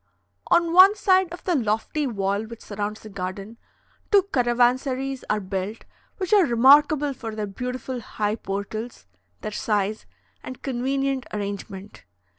On one side of the lofty wall which surrounds the garden, two caravansaries are built, which are remarkable for their beautiful high portals, their size, and convenient arrangement.